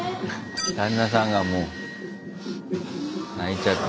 旦那さんがもう泣いちゃって。